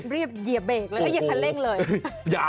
เรียบเยี่ยบเบรกแล้วก็เยี่ยบทันเล่งเลย